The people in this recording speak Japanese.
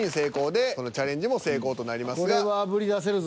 さあこれはあぶり出せるぞ。